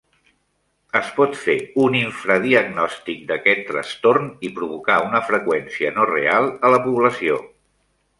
Es pot fer un infradiagnòstic d'aquest trastorn i provocar una freqüència no real a la població.